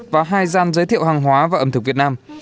và hai gian giới thiệu hàng hóa và ẩm thực việt nam